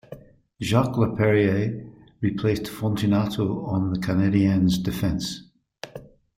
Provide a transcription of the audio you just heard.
Jacques Laperriere replaced Fontinato on the Canadiens defence.